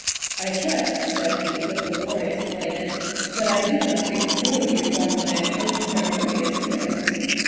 " I trust," said he with laborious politeness, " that I do not incommode you by my unceremonious appear ance."